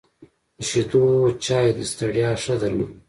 د شيدو چای د ستړیا ښه درمان ده .